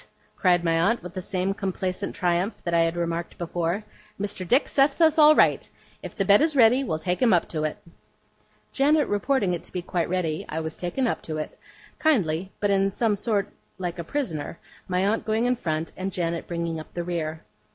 cried my aunt, with the same complacent triumph that I had remarked before. 'Mr. Dick sets us all right. If the bed is ready, we'll take him up to it.' Janet reporting it to be quite ready, I was taken up to it; kindly, but in some sort like a prisoner; my aunt going in front and Janet bringing up the rear.